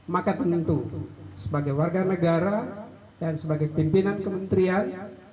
maka penentu sebagai warga negara dan sebagai pimpinan kementerian